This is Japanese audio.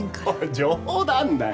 冗談だよ！